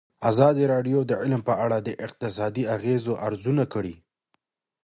ازادي راډیو د تعلیم په اړه د اقتصادي اغېزو ارزونه کړې.